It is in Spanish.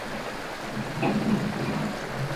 El origen, precuela de Gran Reserva.